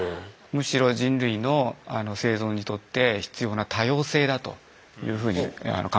むしろ人類のあの生存にとって必要な多様性だというふうにあの考えていますね。